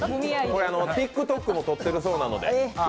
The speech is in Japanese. これはＴｉｋＴｏｋも撮っているそうなので。